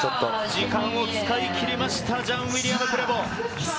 時間を使い切りました、ジャン・ウイリアム・プレボー。